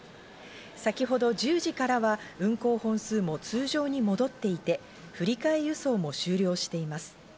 先ほど１０時からは運行本数も通常に戻っていて、振り替え輸送も終了しています。